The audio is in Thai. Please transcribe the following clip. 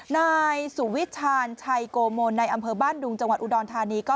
นายสุวิชาญชัยโกมลในอำเภอบ้านดุงจังหวัดอุดรธานีก็